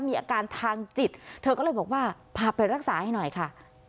มีอาการทางจิตเธอก็เลยบอกว่าพาไปรักษาให้หน่อยค่ะ